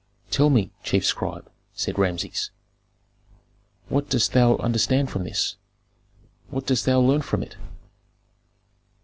"Tell me, chief scribe," said Rameses, "what dost thou understand from this? What dost thou learn from it?"